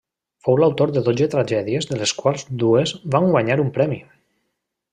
Fou l'autor de dotze tragèdies de les quals dues van guanyar un premi.